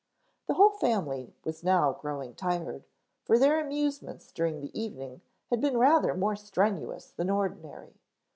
The whole family was now growing tired, for their amusements during the evening had been rather more strenuous than ordinary.